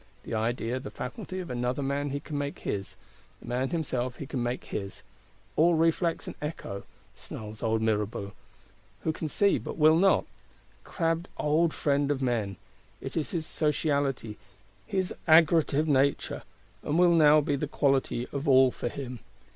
The idea, the faculty of another man he can make his; the man himself he can make his. 'All reflex and echo (tout de reflet et de réverbère)!' snarls old Mirabeau, who can see, but will not. Crabbed old Friend of Men! it is his sociality, his aggregative nature; and will now be the quality of all for him.